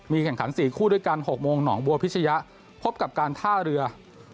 แข่งขัน๔คู่ด้วยกัน๖โมงหนองบัวพิชยะพบกับการท่าเรือ